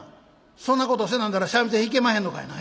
「そんなことせなんだら三味線弾けまへんのかいな。